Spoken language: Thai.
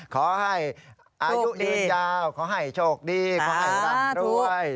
ขอให้อายุยืนยาวขอให้โชคดีขอให้ร่ำรวย